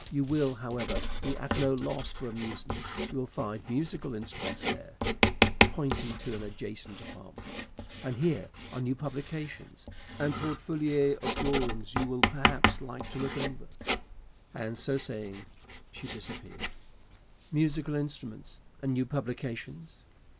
You will, however, be at no loss for amusement; you will find musical instruments there," pointing to an adjacent apartment; "and here are new publications, and portefeuilles of drawings you will perhaps like to look over;" and so saying she disappeared. "Musical instruments and new publications!"